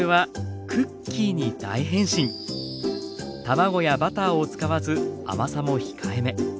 卵やバターを使わず甘さも控えめ。